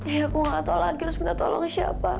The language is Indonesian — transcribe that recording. ya aku gak tau lagi harus minta tolong siapa